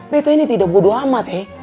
betah ini tidak bodo amat ye